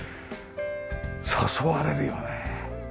誘われるよね。